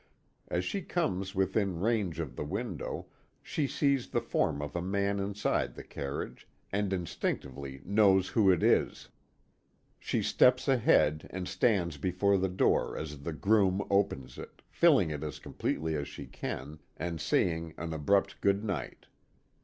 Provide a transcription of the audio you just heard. As she comes within range of the window, she sees the form of a man inside the carriage, and instinctively knows who it is. She steps ahead, and stands before the door as the groom opens it, filling it as completely as she can, and saying an abrupt good night.